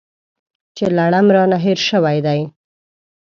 چې لړم رانه هېر شوی دی .